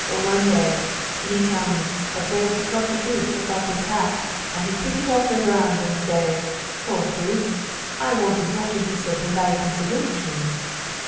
One day, he tell me, a great éclat d'obus take off his hat, and he pick it off the ground and say: "Ho Fritz! I wanted not be so polite and salute you!"